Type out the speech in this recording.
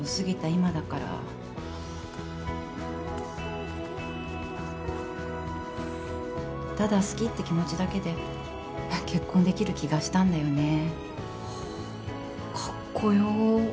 今だからただ好きって気持ちだけで結婚できる気がしたんだよねはカッコよ